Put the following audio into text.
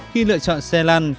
khi lựa chọn xe lăn